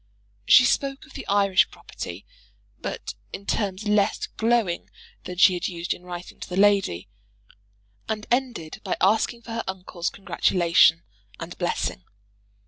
She spoke of the Irish property, but in terms less glowing than she had used in writing to the lady, and ended by asking for her uncle's congratulation and blessing.